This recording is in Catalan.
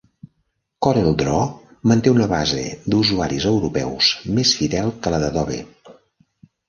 CorelDraw manté una base d'usuaris europeus més fidel que la d'Adobe.